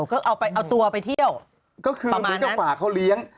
ก็เอาตัวไปเที่ยวประมาณนั้นก็คือมันก็ฝากเขาเลี้ยง